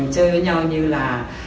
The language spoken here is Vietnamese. chơi với nhau như là